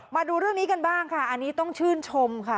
มาดูเรื่องนี้กันบ้างค่ะอันนี้ต้องชื่นชมค่ะ